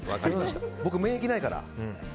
僕、免疫ないから。